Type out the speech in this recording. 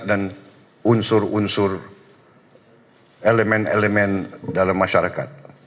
dan unsur unsur elemen elemen dalam masyarakat